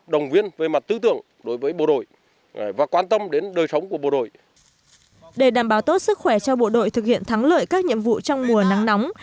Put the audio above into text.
để đảm bảo tốt sức khỏe cho bộ đội thực hiện thắng lợi các nhiệm vụ trong mùa nắng nóng